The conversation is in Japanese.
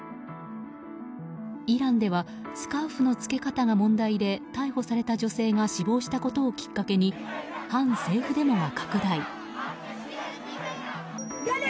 イランではスカーフの着け方が問題で逮捕された女性が死亡したことをきっかけに反政府デモが拡大。